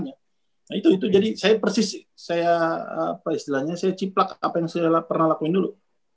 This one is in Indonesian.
nah itu jadi saya persis saya apa istilahnya saya ciplak apa yang saya pernah lakuin dulu